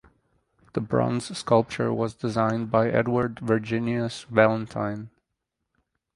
The bronze sculpture was designed by Edward Virginius Valentine.